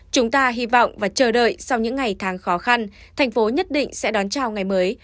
chúng ta hy vọng và chờ đợi sau những ngày tháng khó khăn thành phố nhất định sẽ đón chào ngày mới